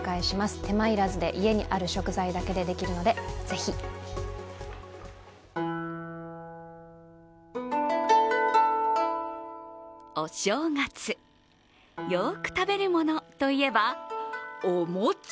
手間要らずで家にある食材だけでできるので、ぜひ。お正月よく食べるものといえば、お餅。